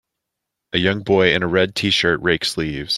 A young boy in a red tshirt rakes leaves.